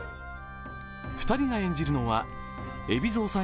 ２人が演じるのは海老蔵さん